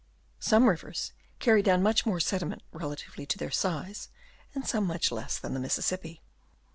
Some rivers carry down much more sediment re latively to their size, and some much less than the Mississippi.